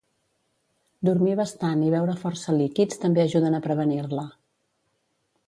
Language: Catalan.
Dormir bastant i beure força líquids també ajuden a prevenir-la.